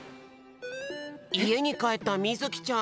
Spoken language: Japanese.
いえにかえったみずきちゃん。